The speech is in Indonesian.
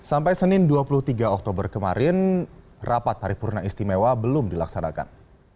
sampai senin dua puluh tiga oktober kemarin rapat paripurna istimewa belum dilaksanakan